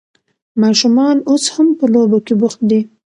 ماشومان اوس هم په لوبو کې بوخت دي.